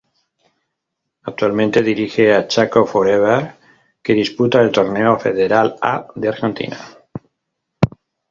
Actualmente dirige a Chaco For Ever que disputa el Torneo Federal A de Argentina.